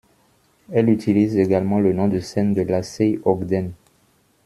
Elle utilise également le nom de scène de Lacey Ogden.